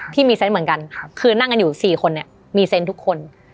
ที่มีเซนต์เหมือนกันคือนั่งกันอยู่๔คนเนี่ยมีเซนต์ทุกคน